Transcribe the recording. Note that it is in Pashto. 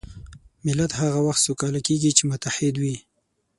ملت هغه وخت سوکاله کېږي چې متحد وي.